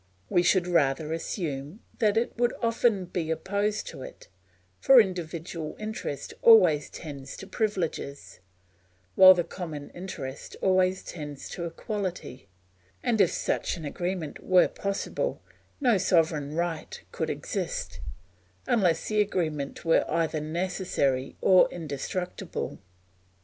We should rather assume that it will often be opposed to it; for individual interest always tends to privileges, while the common interest always tends to equality, and if such an agreement were possible, no sovereign right could exist, unless the agreement were either necessary or indestructible.